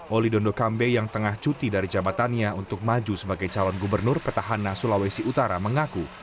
oli dondo kambe yang tengah cuti dari jabatannya untuk maju sebagai calon gubernur petahana sulawesi utara mengaku